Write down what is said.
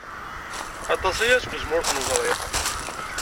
Aṭas aya seg wasmi ur ten-ẓriɣ.